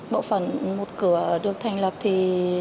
bộ phận một cửa được thành lập thì